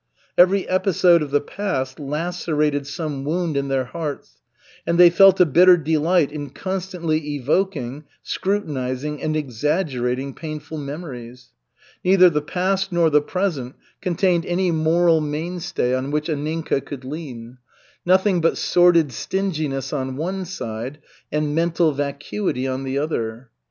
Every episode of the past lacerated some wound in their hearts, and they felt a bitter delight in constantly evoking, scrutinizing and exaggerating painful memories. Neither the past nor the present contained any moral mainstay on which Anninka could lean. Nothing but sordid stinginess on one side, and mental vacuity on the other.